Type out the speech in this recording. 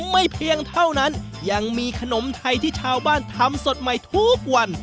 ไม่เพียงเท่านั้นยังมีขนมไทยที่ชาวบ้านทำสดใหม่ทุกวัน